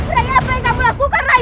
rai apa yang kamu lakukan rai